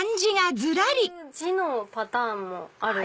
こういう字のパターンもある。